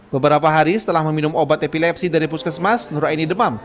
beberapa hari setelah meminum obat epilepsi dari puskesmas nuraini demam